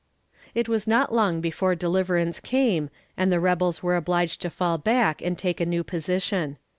It was not long before deliverance came, and the rebels were obliged to fall back and take a new position.